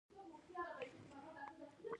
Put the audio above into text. نیک عمل نه ورک کیږي